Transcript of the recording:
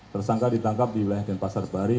tersangka ditangkap di wilayah denpasar bali